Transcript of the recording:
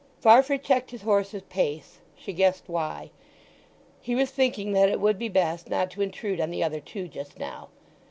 Farfrae checked his horse's pace; she guessed why. He was thinking that it would be best not to intrude on the other two just now.